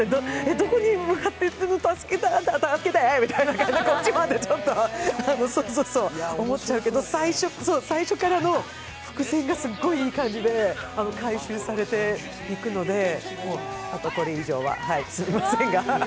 どこに向かって助けて助けたいみたいな感じにこっちまでちょっと思っちゃうけど、最初からの伏線がすごくいい感じで回収されていくので、これ以上はすみませんが。